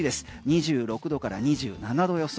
２６度から２７度予想。